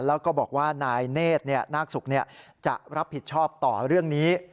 แล้วก็บอกว่านายเนธนาคศุกร์จะรับผิดชอบต่อเรื่องนี้